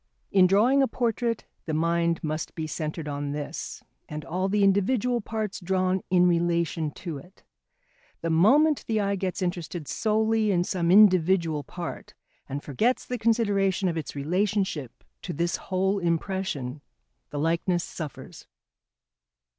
In drawing a portrait the mind must be centred on this, and all the individual parts drawn in relation to it. The moment the eye gets interested solely in some individual part and forgets the consideration of its relationship to this whole impression, the likeness suffers.